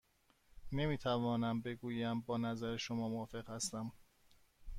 نمی توانم بگویم با نظر شما موافق هستم.